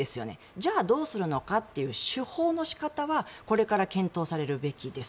じゃあどうするのかという手法の仕方はこれから検討されるべきです。